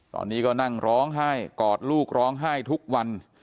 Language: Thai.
ตอนนี้ก็นั่งร้องไห้กอดลูกร้องไห้ทุกวัน